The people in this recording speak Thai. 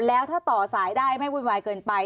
แล้วถ้าต่อสายได้ไม่วุ่นวายเกินไป